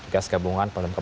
gas gabungan penumpang